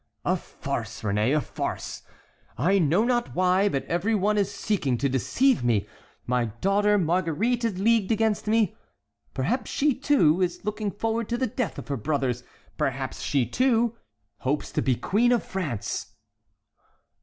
"A farce, Réné, a farce! I know not why, but every one is seeking to deceive me. My daughter Marguerite is leagued against me; perhaps she, too, is looking forward to the death of her brothers; perhaps she, too, hopes to be Queen of France."